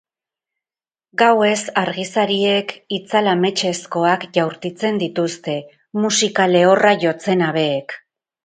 Gauez, argizariek itzal ametsezkoak jaurtitzen dituzte, musika lehorra jotzen habeek.